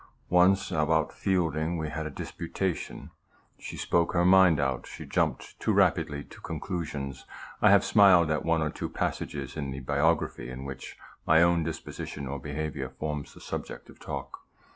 Once about Fielding we had a disputation. She spoke her mind out. She jumped too rapidly to conclusions. (I have smiled at one or two passages in the Biography, in which my own disposition or behavior forms the subject of talk.)